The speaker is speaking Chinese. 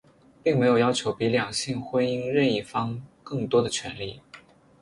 并没有要求比两性婚姻任一方更多的权利。